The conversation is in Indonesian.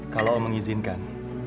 kalau om mengizinkan